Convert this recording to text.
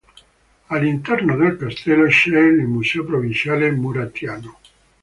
All'interno del Castello c'è il museo provinciale murattiano.